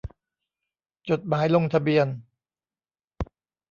จดหมายลงทะเบียน